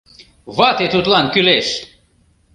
Вате тудлан кӱлеш!